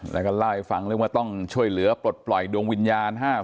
แล้วก็เล่าให้ฟังเรื่องว่าต้องช่วยเหลือปลดปล่อยดวงวิญญาณ